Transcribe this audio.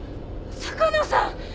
坂野さん。